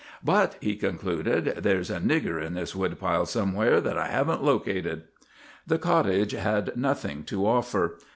"But," he concluded, "there's a nigger in this woodpile somewhere that I haven't located." The cottage had nothing to offer.